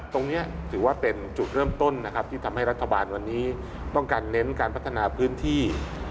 ตรงนี้ถือว่าเป็นจุดเริ่มต้นนะครับที่ทำให้รัฐบาลวันนี้ต้องการเน้นการพัฒนาพื้นที่